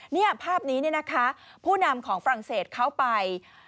นี่ภาพนี้เนี่ยนะคะผู้นำของฝรั่งเศสเข้าไป